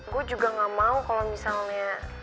gua juga gak mau kalo misalnya